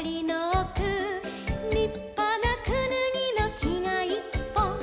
「りっぱなくぬぎのきがいっぽん」